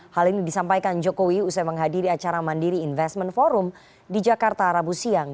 hal ini disampaikan jokowi usai menghadiri acara mandiri investment forum di jakarta rabu siang